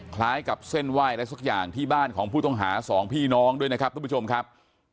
คล้ายกับเส้นไหว้อะไรสักอย่างที่บ้านของผู้ต้องหาสองพี่น้องด้วยนะครับทุกผู้ชมครับ